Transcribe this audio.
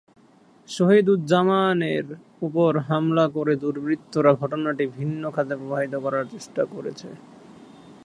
সহিদুজ্জামানের ওপর হামলা করে দুর্বৃত্তরা ঘটনাটি ভিন্ন খাতে প্রবাহিত করার চেষ্টা করছে।